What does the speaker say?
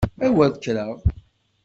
A wer kkreɣ!